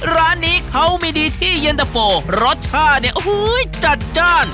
ร้านนี้เขามีดีที่เย็นตะโฟรสชาติเนี่ยโอ้โหจัดจ้าน